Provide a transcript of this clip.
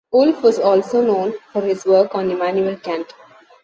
Wolff is also well known for his work on Immanuel Kant.